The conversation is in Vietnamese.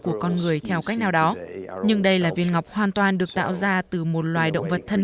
của con người theo cách nào đó nhưng đây là viên ngọc hoàn toàn được tạo ra từ một loài động vật thân